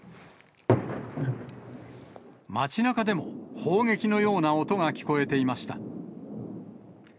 街なかでも砲撃のような音が聞こえていました。